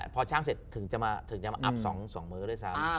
พอช่างเสร็จถึงจะมาอัพ๒มื้อด้วยซ้ำ